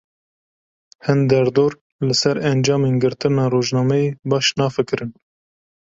Hin derdor, li ser encamên girtina rojnameyê baş nafikirin